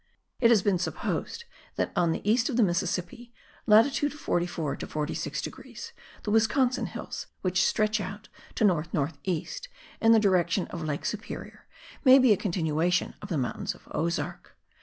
It has been supposed that on the east of the Mississippi (latitude 44 to 46 degrees) the Wisconsin Hills, which stretch out to north north east in the direction of Lake Superior, may be a continuation of the mountains of Ozark.